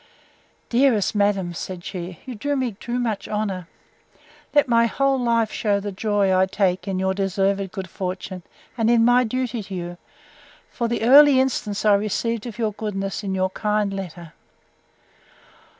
—Dearest madam, said she, you do me too much honour. Let my whole life shew the joy I take in your deserved good fortune, and in my duty to you, for the early instance I received of your goodness in your kind letter.